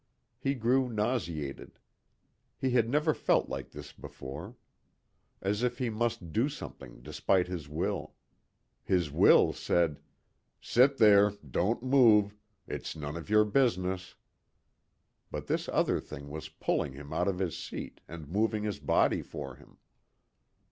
He grew nauseated. He had never felt like this before. As if he must do something despite his will. His will said, "Sit there. Don't move. It's none of your business." But this other thing was pulling him out of his seat and moving his body for him.